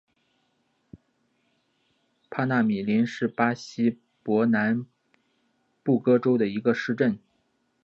帕纳米林是巴西伯南布哥州的一个市镇。